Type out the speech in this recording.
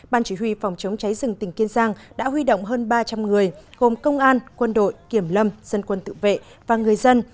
ban chỉ huy phòng chống cháy rừng tỉnh kiên giang đã huy động hơn ba trăm linh người gồm công an quân đội kiểm lâm dân quân tự vệ và người dân